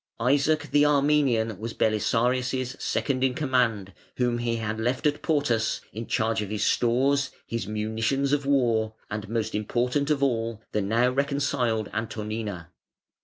Isaac the Armenian was Belisarius' second in command, whom he had left at Portus in charge of his stores, his munitions of war, and most important of all, the now reconciled Antonina.